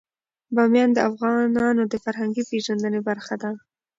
بامیان د افغانانو د فرهنګي پیژندنې برخه ده.